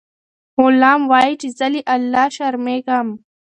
غلام وایي چې زه له الله شرمیږم.